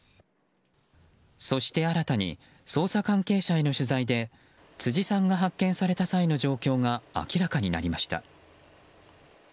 そして新たに捜査関係者への取材で辻さんが発見された際の状況が明らかになりました。